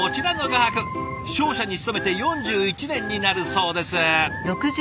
商社に勤めて４１年になるそうです。